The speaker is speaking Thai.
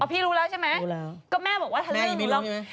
พี่รู้แล้วใช่ไหมก็แม่บอกว่าทะลึ่งรู้แล้วแม่ยังไม่รู้ไหม